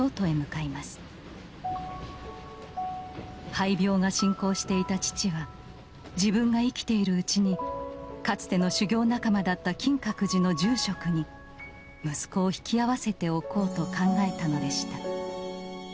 肺病が進行していた父は自分が生きているうちにかつての修行仲間だった金閣寺の住職に息子を引き合わせておこうと考えたのでした